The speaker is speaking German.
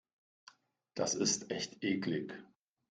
Das ist echt eklig.